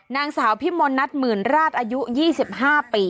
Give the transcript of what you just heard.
นางสาวพิมลนัทหมื่นราชอายุ๒๕ปี